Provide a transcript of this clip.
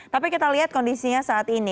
tapi kita lihat kondisinya saat ini